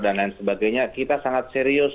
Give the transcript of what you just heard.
dan lain sebagainya kita sangat serius